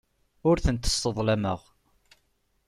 Ur tent-sseḍlameɣ.